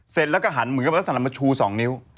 เสร็จแล้วก็หันเหมือนกับลักษณะมาชู๒นิ้ว